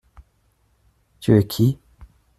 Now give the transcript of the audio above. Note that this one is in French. Tu es qui ?